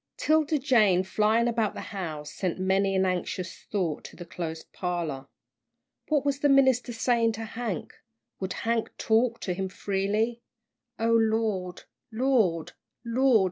'Tilda Jane, flying about the house, sent many an anxious thought to the closed parlour. What was the minister saying to Hank? Would Hank talk to him freely? "O Lord! Lord! Lord!"